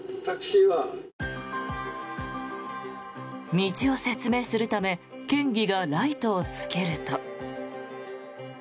道を説明するため県議がライトをつけると。